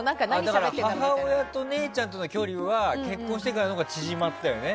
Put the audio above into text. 母親と姉ちゃんとの距離は結婚してからのほうが縮まったよね。